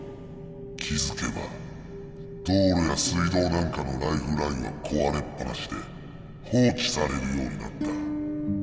気付けば道路や水道なんかのライフラインは壊れっぱなしで放置されるようになった。